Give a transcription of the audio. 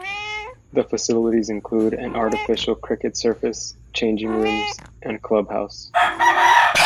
The facilities include an artificial cricket surface, changing rooms and club house.